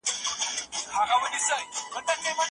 باور پر ځان د بریا لومړی شرط دی.